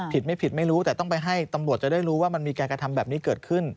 ผิดไม่ผิดไม่รู้แต่ต้องไปให้ตำรวจจะได้รู้ว่ามันมีการกระทำแบบนี้เกิดขึ้น